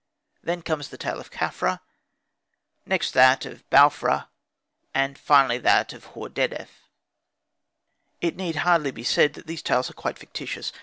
Then comes the tale of Khafra, next that of Bau f ra, and lastly that of Hor dedef. It need hardly be said that these tales are quite fictitious.